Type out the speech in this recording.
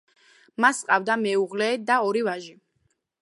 მას ჰყავდა მეუღლე და ორი ვაჟი.